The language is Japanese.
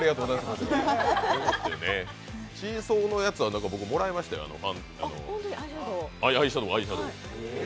チーソーのやつは、僕、もらいましたよ、アイシャドウ。